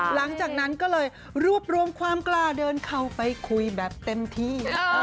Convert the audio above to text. หลังจากนั้นก็เลยรวบรวมความกล้าเดินเข้าไปคุยแบบเต็มที่